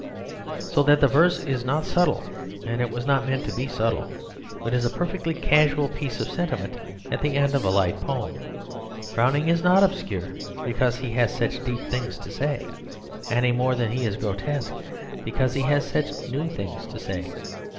So that the verse is not subtle, and was not meant to be subtle, but is a perfectly casual piece of sentiment at the end of a light poem. Browning is not obscure because he has such deep things to say, any more than he is grotesque because he has such new things to say.